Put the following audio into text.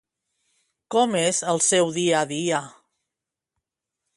Com és el seu dia a dia.